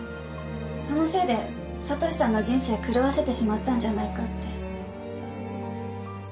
そのせいで聡さんの人生狂わせてしまったんじゃないかって。